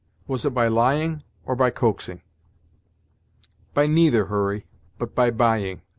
Was it by lying, or by coaxing?" "By neither, Hurry, but by buying.